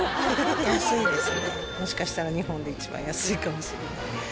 安いですねもしかしたら日本で一番安いかもしれない。